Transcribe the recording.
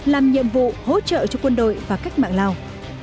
làm nhiệm vụ hỗ trợ cho quân đội và cách mạng lào